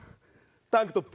タンクトップ。